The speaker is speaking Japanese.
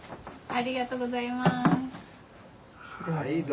ありがとうございます。